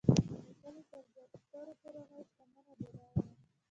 د کلي تر زیاتو کورنیو شتمنه او بډایه وه.